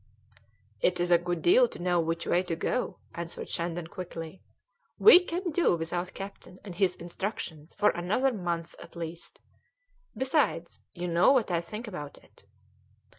"It is a good deal to know which way to go," answered Shandon quickly. "We can do without the captain and his instructions for another month at least. Besides, you know what I think about it."